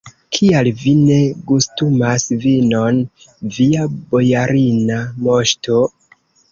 Kial vi ne gustumas vinon, via bojarina moŝto?